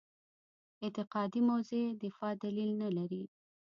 اعتقادي موضع دفاع دلیل نه لري.